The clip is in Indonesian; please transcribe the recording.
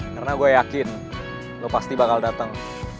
karena gue yakin lo pasti bakal dateng